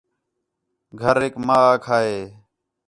گھریک ما آکھا ہے